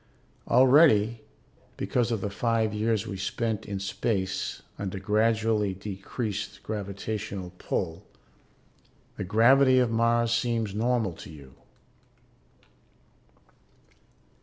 Already, because of the five years we spent in space under gradually decreased gravitational pull, the gravity of Mars seems normal to you.